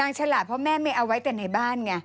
ฉลาดเพราะแม่ไม่เอาไว้แต่ในบ้านไง